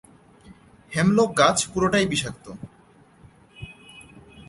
Hemlock গাছ পুরোটাই বিষাক্ত।